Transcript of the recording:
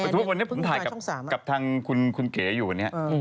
สมมุติวันนี้ผมถ่ายกับทางคุณเก๋อยู่วันนี้